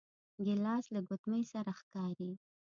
ګیلاس له ګوتمې سره ښکاري.